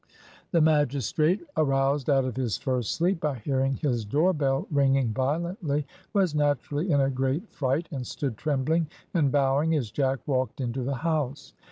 The magistrate, aroused out of his first sleep by hearing his door bell ringing violently, was naturally in a great fright, and stood trembling and bowing as Jack walked into the house.